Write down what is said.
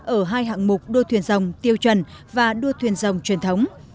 ở hai hạng mục đua thuyền rồng tiêu chuẩn và đua thuyền rồng truyền thống